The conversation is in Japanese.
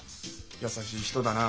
優しい人だな。